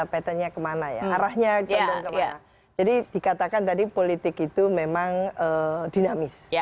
pattern nya kemana ya arahnya kemana jadi dikatakan tadi politik itu memang dinamis